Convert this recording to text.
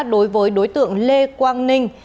đối với đối tượng lê quang ninh